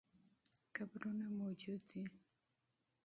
قبرونه موجود دي.